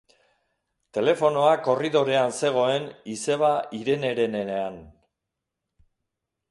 Telefonoa korridorean zegoen izeba Irenerenean.